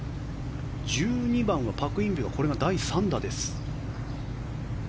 １２番はパク・インビがこれが第３打です。